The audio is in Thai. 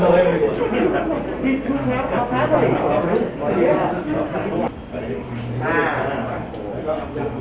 ได้ให้เราทำให้ทุกคนรักทุกคน๔เป็นภาพแบบแบบค่า